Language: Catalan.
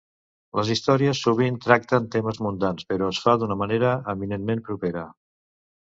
Les històries sovint tracten temes mundans, però es fa d'una manera eminentment propera.